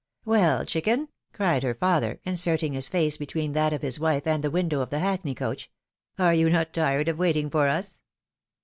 " Well, chicken !" cried her father, inserting his face between that of his wife and the window of the hackney coach, " are you not tired of waiting for us